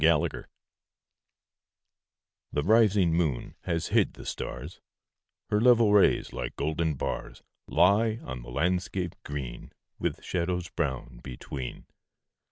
ENDYMION The rising moon has hid the stars; Her level rays, like golden bars, Lie on the landscape green, With shadows brown between.